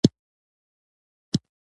دوی د خدماتو وړاندې کولو مسولیت نه قبلوي.